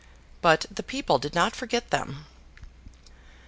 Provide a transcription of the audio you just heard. But, the people did not forget them.